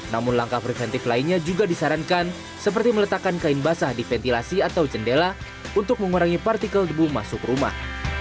namun langkah preventif lainnya juga disarankan seperti meletakkan kain basah di ventilasi atau jendela untuk mengurangi partikel debu masuk rumah